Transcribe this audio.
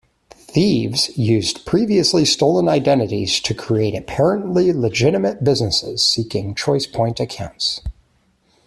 Thieves used previously stolen identities to create apparently legitimate businesses seeking ChoicePoint accounts.